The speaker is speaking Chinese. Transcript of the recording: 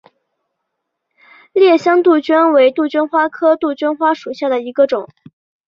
烈香杜鹃为杜鹃花科杜鹃花属下的一个种。